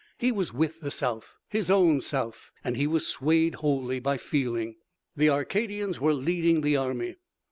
He was with the South, his own South, and he was swayed wholly by feeling. The Acadians were leading the army.